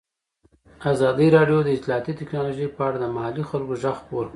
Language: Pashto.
ازادي راډیو د اطلاعاتی تکنالوژي په اړه د محلي خلکو غږ خپور کړی.